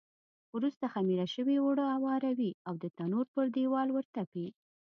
وروسته خمېره شوي اوړه اواروي او د تنور پر دېوال ورتپي.